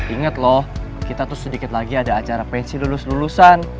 ingat loh kita tuh sedikit lagi ada acara pensi lulus lulusan